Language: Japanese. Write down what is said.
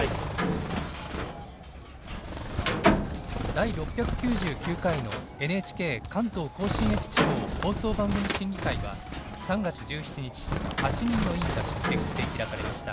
第６９９回のＮＨＫ関東甲信越地方放送番組審議会は３月１７日８人の委員が出席して開かれました。